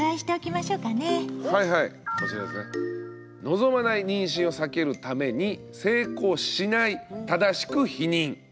「望まない妊娠を避けるために性交しない正しく避妊」。